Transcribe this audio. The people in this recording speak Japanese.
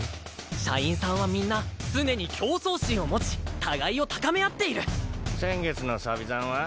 社員さんはみんな常に競争心を持ち互いを高め合っている先月のサビ残は？